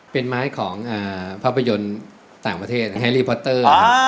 เป็นไม้ของภาพยนตร์ต่างประเทศแฮรี่พอตเตอร์